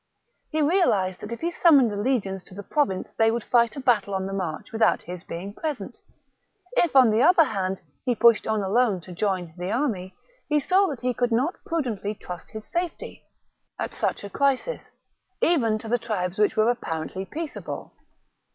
He realized that if he summoned the legions to the Province they would fight a battle on the march without his being present ; if, on the other hand, he pushed on alone to join the army, he saw that he could not prudently trust his safety, at such a crisis, even to the tribes which were apparently peaceable.